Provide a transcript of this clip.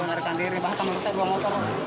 melarikan diri bahkan merusak dua motor